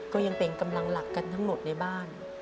ก็ยังเป็นกำลังหลักกันทั้งหมดในบ้าน